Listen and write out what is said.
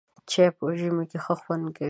چای په ژمي کې ښه خوند کوي.